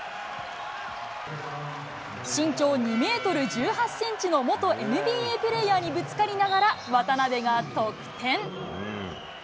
身長２メートル１８センチの元ＮＢＡプレーヤーにぶつかりながら、渡邊が得点。